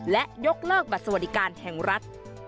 และยกเลิกบัตรสวัสดิการแห่งรัฐ